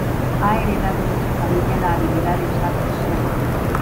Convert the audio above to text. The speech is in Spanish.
Ha heredado de su familia la habilidad de usar Soma.